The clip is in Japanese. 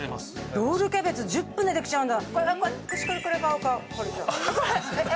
ロールキャベツ１０分でできちゃうんだ。